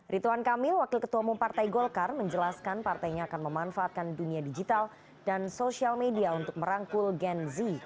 rituan kamil wakil ketua umum partai golkar menjelaskan partainya akan memanfaatkan dunia digital dan sosial media untuk merangkul gen z